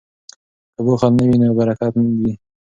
که بخل نه وي نو برکت وي.